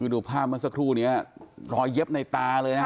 ดูภาพเมื่อสักครู่นี้รอยเย็บในตาเลยนะฮะ